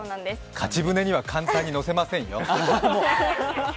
勝ち船には簡単に乗せませんよ。